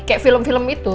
kayak film film itu